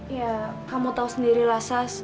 ya kamu tau sendiri lah saz